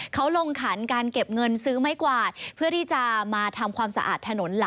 เขาลงขันการเก็บเงินซื้อไม่กวาด